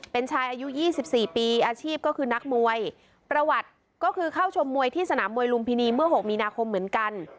เป็นชายอายุ๒๔ปีอาชีพก็คือนักมวยประวัติก็คือเข้าชมมวยที่สนามมวยลุมพินีเมื่อ๖มีนาคมเหมือนกัน